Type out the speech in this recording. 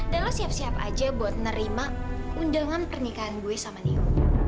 dan lo siap siap aja buat nerima undangan pernikahan gue sama neo